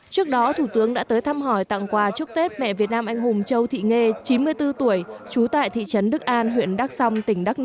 trước đó thủ tướng đã tới thăm hỏi tặng quà chúc tết mẹ việt nam anh hùng châu thị nghê chín mươi bốn tuổi trú tại thị trấn đức an huyện đắk song tỉnh đắk nông